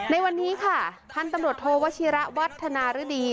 ในวันนี้ค่ะท่านตำรวจโทรวชิระวัฒนารุดี